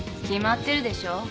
決まってるでしょ